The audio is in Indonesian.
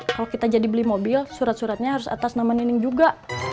kalau kita jadi beli mobil surat suratnya harus atas nama nining juga